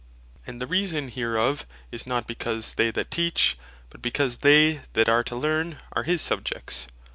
And the reason hereof, is not because they that Teach, but because they that are to Learn, are his Subjects.